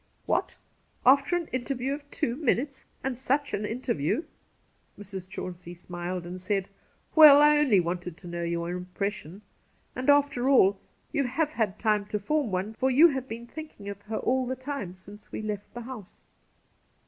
' What ! after an interview of two minutes— and such an interview ?' Mrs. Chauncey smUed, and said :' Well, I only wanted to know your impression. And, after aU, you have had time to form one, for you have been thinking of her all the time since we left the house